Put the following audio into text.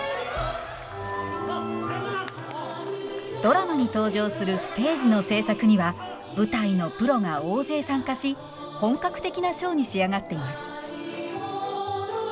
ドラマに登場するステージの制作には舞台のプロが大勢参加し本格的なショーに仕上がっています。